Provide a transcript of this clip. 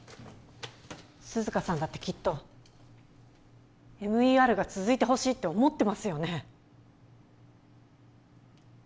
涼香さんだってきっとＭＥＲが続いてほしいって思ってますよね